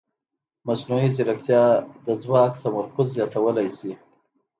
مصنوعي ځیرکتیا د ځواک تمرکز زیاتولی شي.